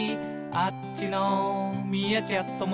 「こっちのミーアキャットも」